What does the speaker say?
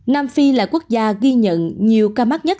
năm phi là quốc gia ghi nhận nhiều ca mắc covid một mươi chín